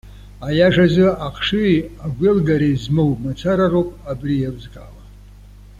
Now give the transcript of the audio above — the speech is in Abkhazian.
Аиашазы ахшыҩи агәеилгареи змоу мацара роуп абри еилызкаауа.